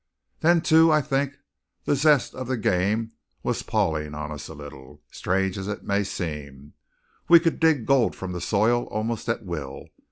Then, too, I think the zest of the game was palling on us a little, strange as it may seem. We could dig gold from the soil almost at will.